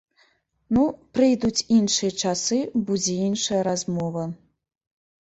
Ну, прыйдуць іншыя часы, будзе іншая размова.